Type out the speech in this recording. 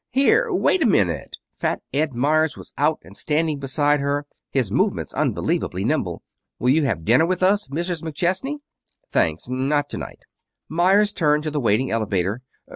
"Here! Wait a minute!" Fat Ed Meyers was out and standing beside her, his movements unbelievably nimble. "Will you have dinner with us, Mrs. McChesney?" "Thanks. Not to night." Meyers turned to the waiting elevator.